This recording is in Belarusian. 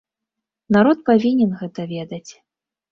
Народ павінен гэта ведаць.